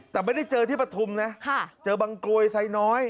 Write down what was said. แต่ไม่ได้เจอที่ปฐุมนะเจอบังกลวยไซน้อย